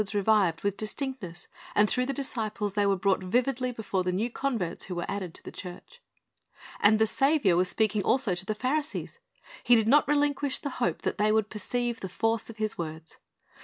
' 'Tlic M a 1)1 1)1 o )i of Unrighteousness''' 369 revived with distinctness, and throu<^h the disciples tliey were brought vividly before the new converts who were added to the church. And the Saviour was speaking also to the Pharisees. He did not relinquish the hope that they would perceive the force of His words.